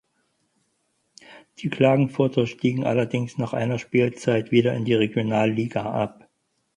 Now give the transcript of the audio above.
Die Klagenfurter stiegen allerdings nach einer Spielzeit wieder in die Regionalliga ab.